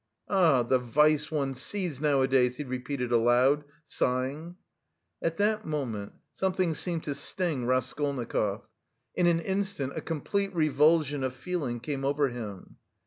"Ah, the vice one sees nowadays!" he repeated aloud, sighing. At that moment something seemed to sting Raskolnikov; in an instant a complete revulsion of feeling came over him.